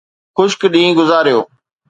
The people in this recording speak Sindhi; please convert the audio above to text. خشڪ ڏينهن گذاريو.